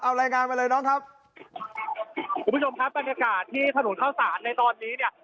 เอารายงานมาเลยน้องครับคุณผู้ชมครับบรรยากาศที่ถนนเข้าสารในตอนนี้เนี่ย